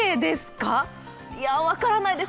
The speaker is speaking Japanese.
いや、分からないです。